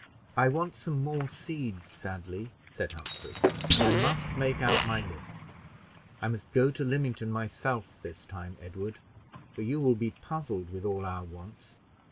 "I want some more seeds sadly," said Humphrey, "and I must make out my list. I must go to Lymington myself this time, Edward, for you will be puzzled with all our wants."